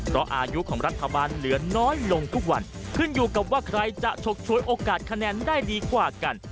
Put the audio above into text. เพราะอายุของรัฐบาลเหลือน้อยลงทุกวันขึ้นอยู่กับว่าใครจะฉกชวยโอกาสคะแนนได้ดีกว่ากัน